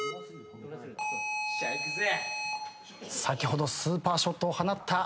先ほどスーパーショットを放った。